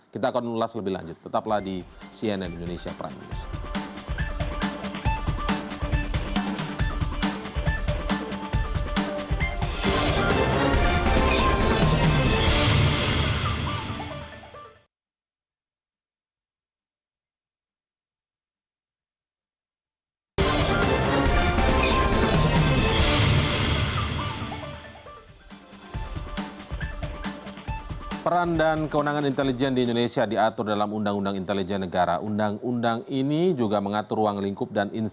kita akan ulas lebih lanjut tetaplah di cnn indonesia prime news